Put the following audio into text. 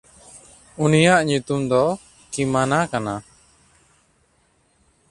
ᱩᱱᱤᱭᱟᱜ ᱧᱩᱛᱩᱢ ᱫᱚ ᱠᱤᱢᱟᱱᱟ ᱠᱟᱱᱟ᱾